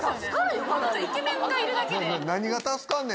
イケメンがいるだけで。